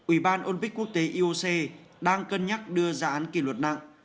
ủy ban olympic quốc tế ioc đang cân nhắc đưa ra án kỷ luật nặng